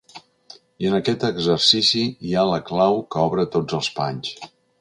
I en aquest exercici hi ha la clau que obre tots els panys.